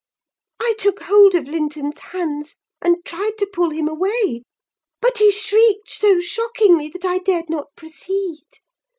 "I took hold of Linton's hands, and tried to pull him away; but he shrieked so shockingly that I dared not proceed.